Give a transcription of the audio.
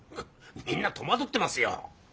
みんな戸惑ってますよ。